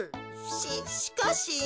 ししかし。